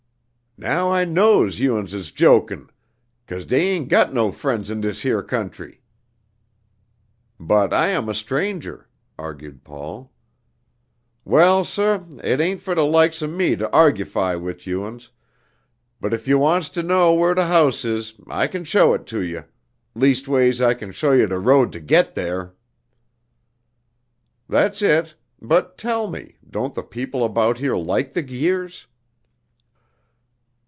"Now I knows you uns is jokin', 'case dey ain't got no friends in dis 'ere country." "But I am a stranger!" argued Paul. "Well, sah, it ain't for de likes o' me to argify wid you uns, but ef you wants to know whar de house is, I kin show it to you; leastways I kin show you de road to git dar." "That's it; but tell me, don't the people about here like the Guirs?"